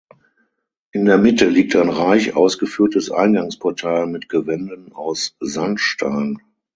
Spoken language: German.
In der Mitte liegt ein reich ausgeführtes Eingangsportal mit Gewänden aus Sandstein.